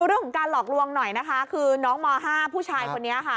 เรื่องของการหลอกลวงหน่อยนะคะคือน้องม๕ผู้ชายคนนี้ค่ะ